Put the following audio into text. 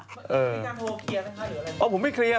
มีการโทรเคลียร์ไหมคะ